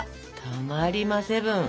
たまりまセブン！